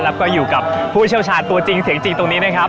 แล้วก็อยู่กับผู้เชี่ยวชาญตัวจริงเสียงจริงตรงนี้นะครับ